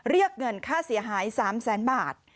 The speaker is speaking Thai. เรียกเงินค่าเสียหาย๓แสนบาท